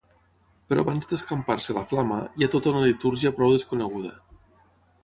Però abans d’escampar-se la flama, hi ha tota una litúrgia prou desconeguda.